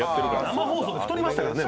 生放送で太りましたからね。